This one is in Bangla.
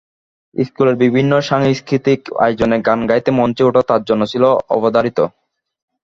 স্কুলের বিভিন্ন সাংস্কৃতিক আয়োজনে গান গাইতে মঞ্চে ওঠা তাঁর জন্য ছিল অবধারিত।